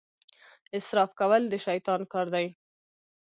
اسراف کول د شیطان کار دی.